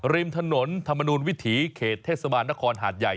ริมถนนธรรมนูลวิถีเขตเทศบาลนครหาดใหญ่